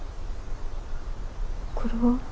これは？